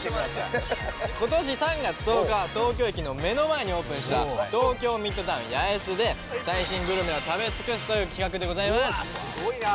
今年３月１０日東京駅の目の前にオープンした東京ミッドタウン八重洲で最新グルメを食べ尽くすという企画でございます